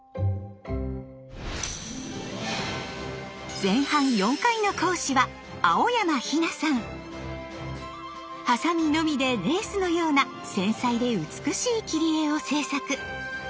前半４回の講師はハサミのみでレースのような繊細で美しい切り絵を制作。